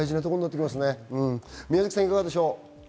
宮崎さん、いかがでしょう？